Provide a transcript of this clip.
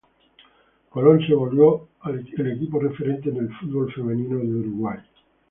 Colón se volvió el equipo referente en el fútbol femenino de Uruguay.